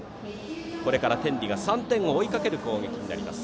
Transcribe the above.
これから天理が３点を追いかける攻撃になります。